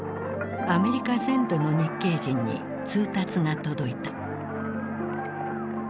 アメリカ全土の日系人に通達が届いた。